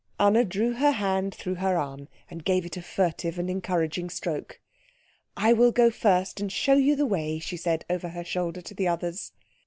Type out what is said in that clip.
Anna drew her hand through her arm, and gave it a furtive and encouraging stroke. "I will go first and show you the way," she said over her shoulder to the others.